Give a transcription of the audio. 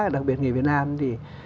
đặc biệt người việt nam thì